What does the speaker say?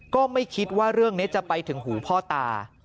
ก็ไม่คิดว่าเรื่องนี้จะไปถึงหูพ่อตา